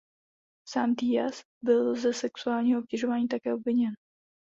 Sám Díaz byl ze sexuálního obtěžování také obviněn.